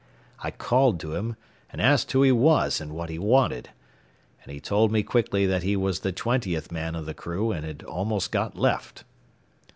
I called to him and asked who he was and what he wanted, and he told me quickly that he was the twentieth man of the crew and had almost got left.